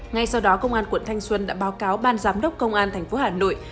ngay sau đó công an quận thanh xuân đã báo cáo ban giám đốc công an tp hà nội